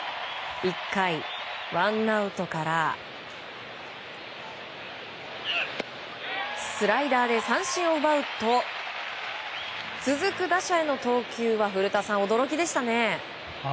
１回、ワンアウトからスライダーで三振を奪うと続く打者への投球は古田さん、驚きでしたね。